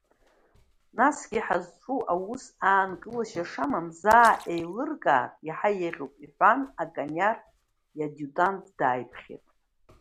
Насгьы ҳазҿу аус аанкылашьа шамам заа еилыркаар иаҳа иеиӷьуп, — иҳәан, Кониар иадиутант дааиԥхьеит.